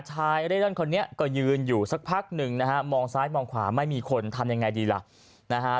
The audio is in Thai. เร่ร่อนคนนี้ก็ยืนอยู่สักพักหนึ่งนะฮะมองซ้ายมองขวาไม่มีคนทำยังไงดีล่ะนะฮะ